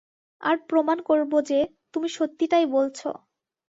আর প্রমাণ করবো যে, তুমি সত্যিটাই বলছো।